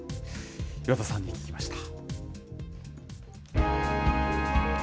岩田さんに聞きました。